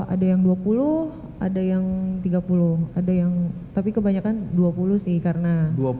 ada yang dua puluh ada yang tiga puluh tapi kebanyakan dua puluh sih karena